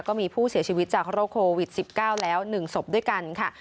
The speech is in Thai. ก็มีผู้เสียชีวิตจากโรคโควิด๑๙แล้ว๑ศพด้วยกันค่ะ